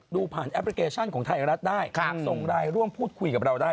ดูผ่านแอปพลิเคชันของไทยรัฐได้ส่งไลน์ร่วมพูดคุยกับเราได้